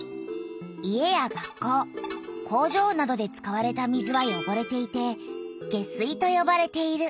家や学校工場などで使われた水はよごれていて「下水」とよばれている。